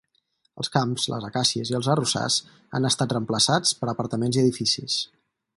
Els camps, les acàcies i els arrossars han estat reemplaçats per apartaments i edificis.